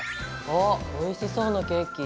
あっおいしそうなケーキ。